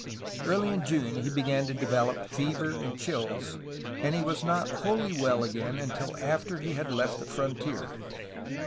Early in June he began to develop fever and chills, and he was not wholly well again until after he had left the frontier.